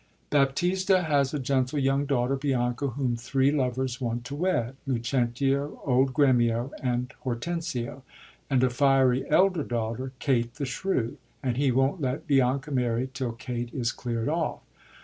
Baptista has a gentle young daughter, Bianca, whom three lovers want to wed — ^Lucentio, old Gremio, and HortensiOf—and a fiery elder daughter, Kate the Shrew ; and he won't let Bianca marry till Kate is cleard off.